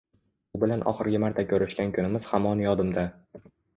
U bilan oxirgi marta koʻrishgan kunimiz hamon yodimda.